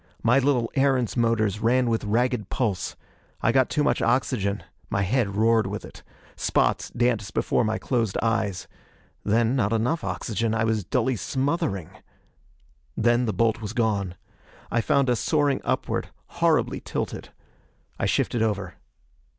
My little Erentz motors ran with ragged pulse. I got too much oxygen; my head roared with it. Spots danced before my closed eyes. Then not enough oxygen. I was dully smothering.... Then the bolt was gone. I found us soaring upward, horribly tilted. I shifted over.